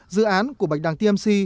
dự án của bạch đằng tmc